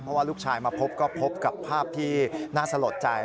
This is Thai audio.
เพราะว่าลูกชายมาพบก็พบกับภาพที่น่าสลดใจ